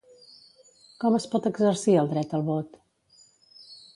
Com es pot exercir el dret al vot?